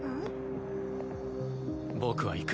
僕は行く。